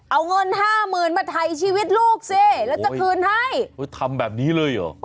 เอาเงินห้าหมื่นมาถ่ายชีวิตลูกสิแล้วจะคืนให้ทำแบบนี้เลยเหรอ